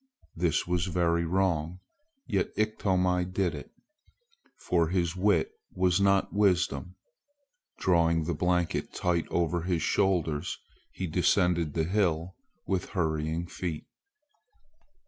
This was very wrong, yet Iktomi did it, for his wit was not wisdom. Drawing the blanket tight over his shoulders, he descended the hill with hurrying feet.